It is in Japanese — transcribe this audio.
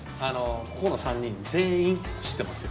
ここの３人全員知ってますよ。